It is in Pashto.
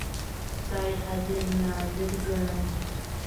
خدای حاضر ناظر ګڼم.